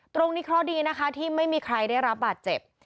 เคราะห์ดีนะคะที่ไม่มีใครได้รับบาดเจ็บ